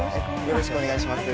よろしくお願いします